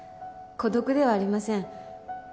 孤独ではありません。